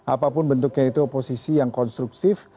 apapun bentuknya itu oposisi yang konstruksi